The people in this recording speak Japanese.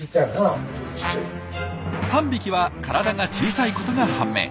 ３匹は体が小さいことが判明。